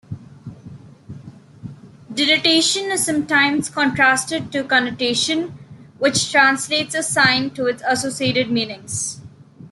Denotation is sometimes contrasted to connotation, which translates a sign to its associated meanings.